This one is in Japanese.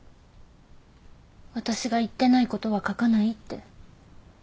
私が言ってないことは書かないって。